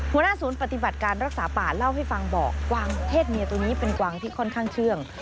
หัวหน้าศูนย์ปฏิบัติการรักษาป่าเล่าให้ฟังบอกกวางเพศเมียตัวนี้เป็นกวางที่ค่อนข้างเชื่อง